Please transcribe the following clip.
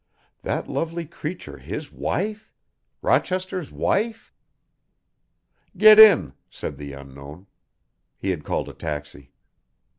That lovely creature his wife! Rochester's wife! "Get in," said the unknown. He had called a taxi.